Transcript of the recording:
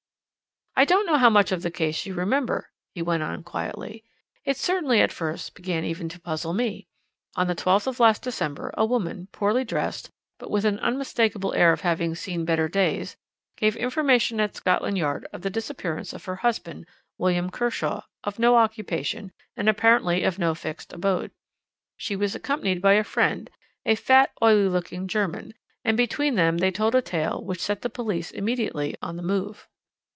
"I don't know how much of the case you remember," he went on quietly. "It certainly, at first, began even to puzzle me. On the 12th of last December a woman, poorly dressed, but with an unmistakable air of having seen better days, gave information at Scotland Yard of the disappearance of her husband, William Kershaw, of no occupation, and apparently of no fixed abode. She was accompanied by a friend a fat, oily looking German and between them they told a tale which set the police immediately on the move.